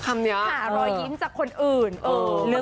ไปหารอยยิ้มจากคนอื่น